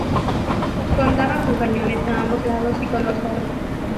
Contaba con cañones a ambos lados y con dos torres.